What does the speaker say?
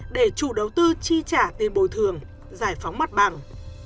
để chủ đầu tư chi trả tiền bồi thường giải phóng mặt bằng